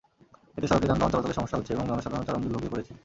এতে সড়কে যানবাহন চলাচলে সমস্যা হচ্ছে এবং জনসাধারণ চরম দুর্ভোগে পড়েছে।